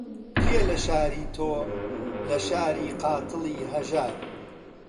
کێ لە شاری تۆ، لە شاری قاتڵی هەژار